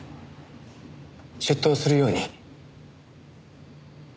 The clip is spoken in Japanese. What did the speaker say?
出頭するように。